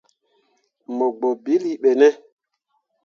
Mo gbǝ ɓilli ɓe ne ?